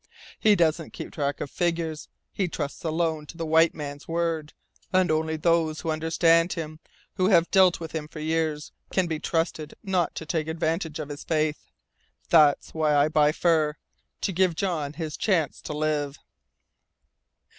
He doesn't keep track of figures. He trusts alone to the white man's word, and only those who understand him, who have dealt with him for years, can be trusted not to take advantage of his faith. That's why I buy fur to give John his chance to live."